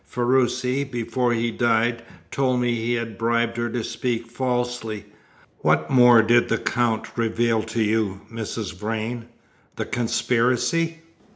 "Ferruci, before he died, told me he had bribed her to speak falsely. What more did the Count reveal to you, Mrs. Vrain? the conspiracy?"